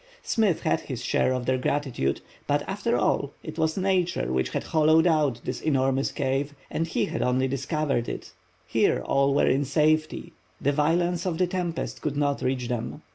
Smith had his share of their gratitude, but after all, it was nature which had hollowed out this enormous cave, and he had only discovered it. Here all were in safety, the violence of the tempest could not reach them.